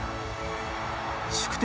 宿敵